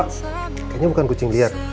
kayaknya bukan kucing liar